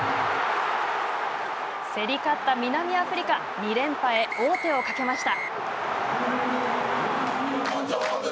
競り勝った南アフリカ２連覇へ王手をかけました。